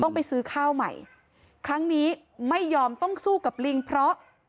ไปซื้อข้าวใหม่ครั้งนี้ไม่ยอมต้องสู้กับลิงเพราะ